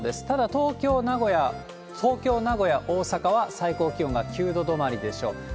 ただ、東京、名古屋、大阪は、最高気温が９度止まりでしょう。